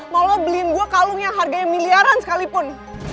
mau lo beliin gue kalung yang harganya miliaran sekalipun